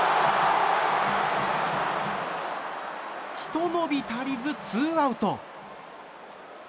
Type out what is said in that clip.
ひと伸び足りず、ツーアウト。